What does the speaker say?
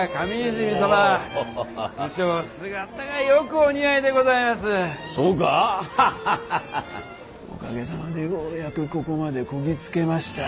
おかげさまでようやくここまでこぎ着けました。